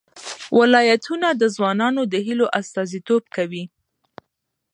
ولایتونه د ځوانانو د هیلو استازیتوب کوي.